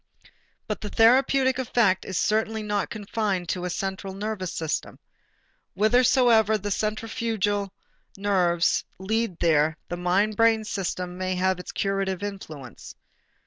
But the therapeutic effect is certainly not confined to the central nervous system. Whithersoever the centrifugal nerves lead there the mind brain system may have its curative influence.